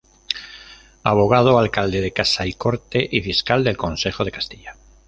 Abogado, Alcalde de Casa y Corte y Fiscal del Consejo de Castilla.